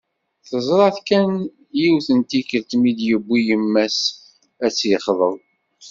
Teẓra-t kan yiwet n tikelt mi d-yiwi yemma-s ad tt-yexḍeb.